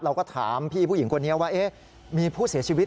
เราก็ถามพี่ผู้หญิงคนนี้ว่ามีผู้เสียชีวิต